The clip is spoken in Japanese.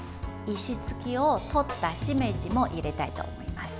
石突きを取ったしめじも入れたいと思います。